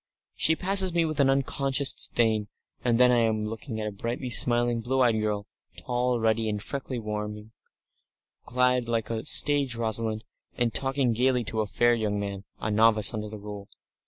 She passes me with an unconscious disdain; and then I am looking at a brightly smiling, blue eyed girl, tall, ruddy, and freckled warmly, clad like a stage Rosalind, and talking gaily to a fair young man, a novice under the Rule.